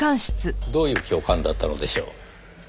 どういう教官だったのでしょう？